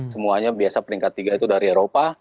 semuanya biasa peringkat tiga itu dari eropa